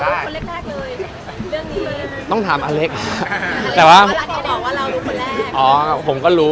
แล้วยังก็ต้องเออคุยคุยกันอะไรอย่างงี้ครับก็รู้